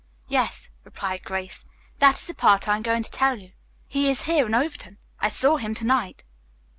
"Yes," replied Grace. "That is the part I am going to tell you. He is here in Overton. I saw him to night."